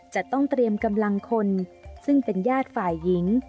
จะต้องเตรียมกำลังคนซึ่งเป็นญาติฝ่ายหญิง